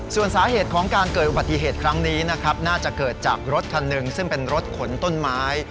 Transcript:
ส่วนสาเหตุของการเกิดอุบัติเหตุครั้งนี้นะครับน่าจะเกิดจากรถคันหนึ่งซึ่งเป็นรถขนต้นไม้